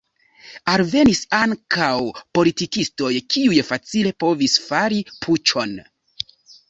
Alvenis ankaŭ politikistoj, kiuj facile povis fari puĉon.